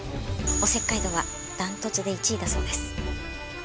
お節介度は断トツで１位だそうです。